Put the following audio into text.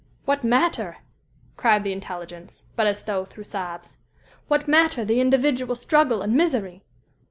"What matter," cried the intelligence, but as though through sobs "what matter the individual struggle and misery?